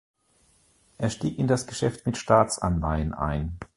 Er stieg in das Geschäft mit Staatsanleihen ein.